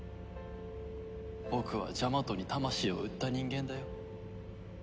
僕はジャマトに魂を売った人間だよ。